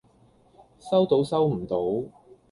收到收唔到